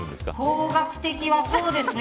方角的はそうですね。